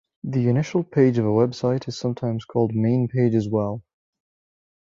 The initial page of a website is sometimes called main page as well.